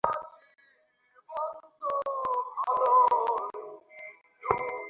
তোমার ক্ষেত্রেও হয়তো তাই ঘটেছে।